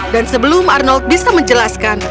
dan sebelum arnold bisa menjelaskan